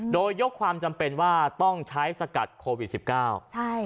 โดยยกความจำเป็นว่าต้องใช้สกัดโควิดสิบเก้าใช่